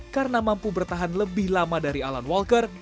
karena mampu bertahan lebih lama dari alan walker